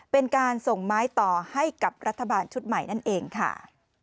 เป็นการส่งไม้ต่อให้กับรัฐบาลชุดใหม่นั่นเองค่ะ